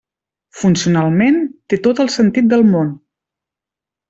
Funcionalment té tot el sentit del món.